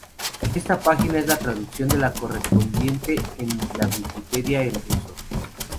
Esta página es la traducción de la correspondiente en la Wikipedia en ruso